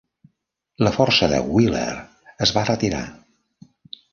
La força de Wheeler es va retirar.